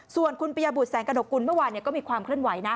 ส่วนคุณปริยบุตรแสงกระหนกกุลเมื่อวานก็มีความเคลื่อนไหวนะ